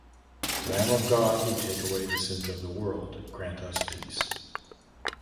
Lamb of God, you take away the sins of the world: grant us peace.